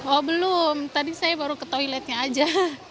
oh belum tadi saya baru ke toiletnya aja